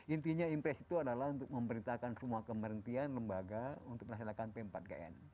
intinya impress itu adalah untuk memberitakan semua kementerian lembaga untuk menasihalkan p empat kn